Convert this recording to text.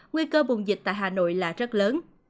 nguy cơ bùng dịch tại hà nội là rất lớn